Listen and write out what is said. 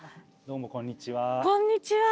どうもこんにちは。